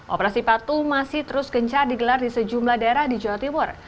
operasi patu masih terus gencar digelar di sejumlah daerah di jawa timur